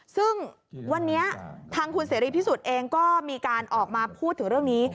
ซึ่งวันนี้ทางคุณเสรีพิสุทธิ์เองก็มีการออกมาพูดถึงเรื่องนี้